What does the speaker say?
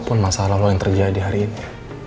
apapun masalah lo yang terjadi hari ini